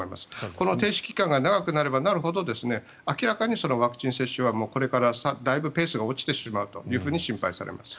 この停止期間が長くなればなるほど明らかにワクチン接種はこれからだいぶペースが落ちてしまうと心配されます。